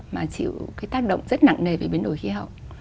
mà chịu cái tác động rất nặng nề về biến đổi khí hậu